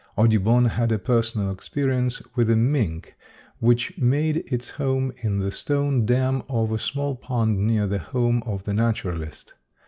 Audubon had a personal experience with a mink which made its home in the stone dam of a small pond near the home of the naturalist.